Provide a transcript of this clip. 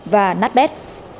và nát bét